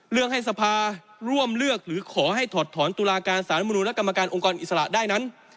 เรื่องให้สภาร่วมเลือกหรือขอให้ถอดถอนตุลาการสารมนุนและกรรมการองค์กรอิสระได้นั้น